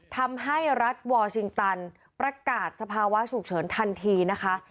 ทำให้รัฐวอร์ชิงตันประกาศสภาวะฉุกเฉินทันทีนะคะ